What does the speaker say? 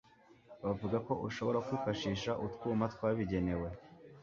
bavuga ko ushobora kwifashisha utwuma twabigenewe